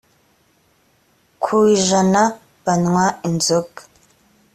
ku ijana banywa inzoga